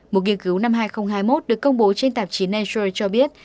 một nghiên cứu năm hai nghìn hai mươi một được công bố trên tạp chí natreal cho biết